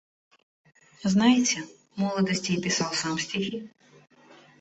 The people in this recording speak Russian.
Знаете, в молодости и писал сам стихи.